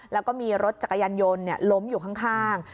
แล้วก็มีรถจักรยานยนต์ล้มอยู่ข้าง